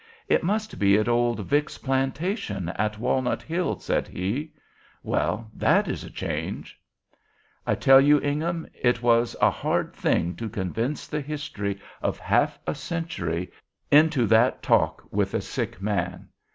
'It must be at old Vick's plantation, at Walnut Hills,' said he: 'well, that is a change!' "I tell you, Ingham, it was a hard thing to condense the history of half a century into that talk with a sick man.